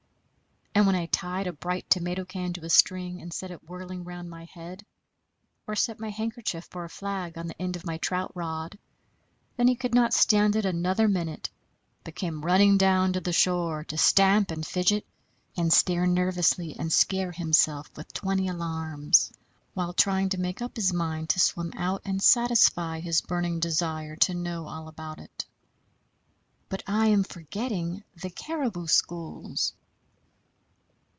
And when I tied a bright tomato can to a string and set it whirling round my head, or set my handkerchief for a flag on the end of my trout rod, then he could not stand it another minute, but came running down to the shore, to stamp, and fidget, and stare nervously, and scare himself with twenty alarms while trying to make up his mind to swim out and satisfy his burning desire to know all about it. But I am forgetting the caribou schools.